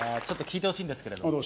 ちょっと聞いてほしいんですけど